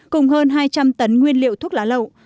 cùng hơn hai trăm linh tấn nguyên liệu thuốc lá lậu